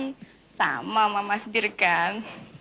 eh sama mama sendiri kan